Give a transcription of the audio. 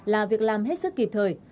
là việc làm hết sức kịp thời